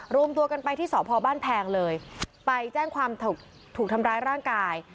รวมตัวกันไปที่สพบ้านแพงเลยไปแจ้งความถูกทำร้ายร่างกาย